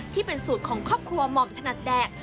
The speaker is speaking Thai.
ที่เป็นสูตรของครอบครัวหม่อมถนัดแดก